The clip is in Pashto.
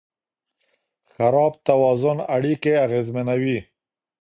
خراب توازن اړیکې اغېزمنوي.